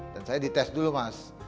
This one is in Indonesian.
dan saya di tes dulu mas